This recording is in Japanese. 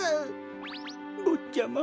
ぼっちゃま。